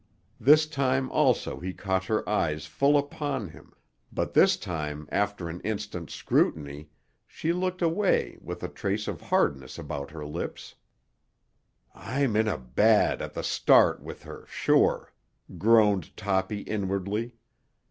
This time also he caught her eyes full upon him, but this time after an instant's scrutiny she looked away with a trace of hardness about her lips. "I'm in bad at the start with her, sure," groaned Toppy inwardly.